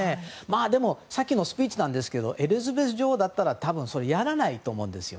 でも、さっきのスピーチですがエリザベス女王だったらやらないと思うんですよ